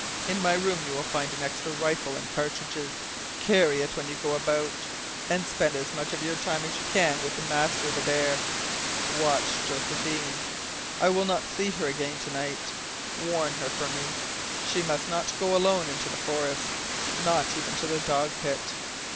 In my room you will find an extra rifle and cartridges. Carry it when you go about. And spend as much of your time as you can with the master of Adare. Watch Josephine. I will not see her again to night. Warn her for me. She must not go alone in the forests not even to the dog pit."